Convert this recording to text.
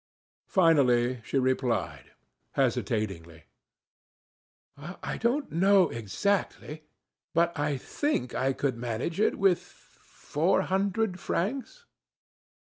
Finally, she replied, hesitatingly: "I don't know exactly, but I think I could manage it with four hundred francs."